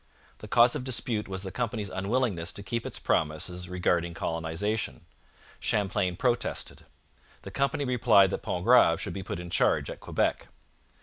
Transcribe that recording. The cause of dispute was the company's unwillingness to keep its promises regarding colonization. Champlain protested. The company replied that Pontgrave should be put in charge at Quebec.